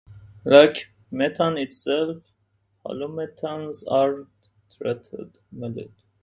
Like methane itself, halomethanes are tetrahedral molecules.